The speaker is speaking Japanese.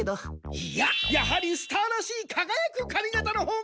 いややはりスターらしいかがやく髪型のほうが！